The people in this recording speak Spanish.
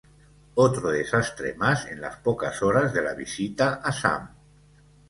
Otro desastre mas en las pocas horas de la visita a Sam.